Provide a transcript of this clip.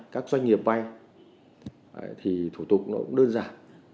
các doanh nghiệp vay thì thủ tục nó cũng đơn giản